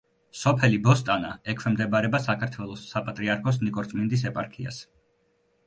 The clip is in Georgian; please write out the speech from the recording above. სოფელი ბოსტანა ექვემდებარება საქართველოს საპატრიარქოს ნიკორწმინდის ეპარქიას.